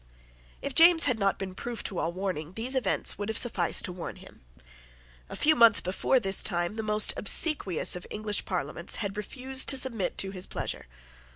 If James had not been proof to all warning, these events would have sufficed to warn him. A few months before this time the most obsequious of English Parliaments had refused to submit to his pleasure.